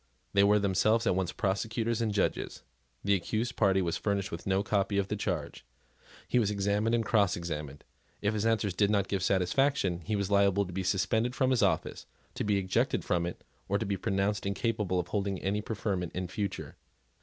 They were themselves at once prosecutors and judges. The accused party was furnished with no copy of the charge. He was examined and crossexamined. If his answers did not give satisfaction, he was liable to be suspended from his office, to be ejected from it, to be pronounced incapable of holding any preferment in future.